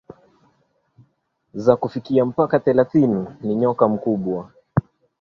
za kufikia mpaka thelathini Ni nyoka mkubwa